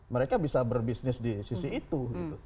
mereka bisa berbisnis di sisi itu